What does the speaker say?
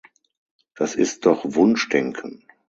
Das ist doch Wunschdenken!